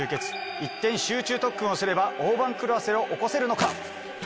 一点集中特訓をすれば大番狂わせを起こせるのか？